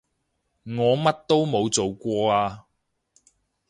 我乜都冇做過啊